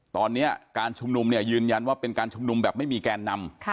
ตอนนี้การชุมนุมเนี่ยยืนยันว่าเป็นการชุมนุมแบบไม่มีแกนนำ